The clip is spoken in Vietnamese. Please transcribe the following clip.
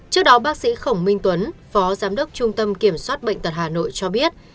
trước đó bác sĩ khổng minh tuấn phó giám đốc trung tâm kiểm soát bệnh tật hà nội cho biết